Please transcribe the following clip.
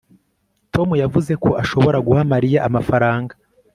tom yavuze ko ashobora guha mariya amafaranga